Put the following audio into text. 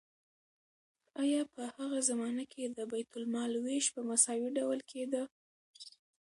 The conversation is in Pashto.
آیا په هغه زمانه کې د بیت المال ویش په مساوي ډول کیده؟